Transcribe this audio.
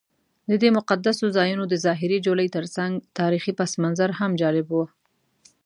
دا د مقدسو ځایونو د ظاهري جولې ترڅنګ تاریخي پسمنظر هم جالب و.